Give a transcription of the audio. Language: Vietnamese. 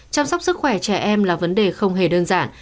chăm sóc sức khỏe trẻ em là vấn đề không hề đơn giản